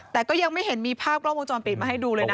แต่ก็ยังไม่เห็นมีภาพกล้องวงจรปิดมาให้ดูเลยนะ